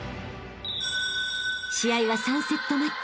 ［試合は３セットマッチ